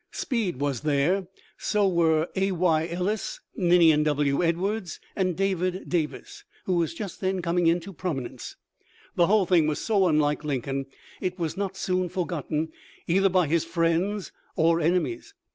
Speed was there, so were A. Y. Ellis, Ninian W. Edwards, and David Davis, who was just then coming into promi nence. The whole thing was so unlike Lincoln, it was not soon forgotten either by his friends or ene mies.